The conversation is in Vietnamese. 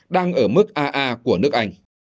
đang ở mức aa của nước anh